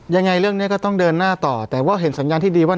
ยังไงเรื่องนี้ก็ต้องเดินหน้าต่อแต่ว่าเห็นสัญญาณที่ดีว่า